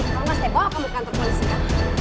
kalau gak setebok kamu ke kantor polisnya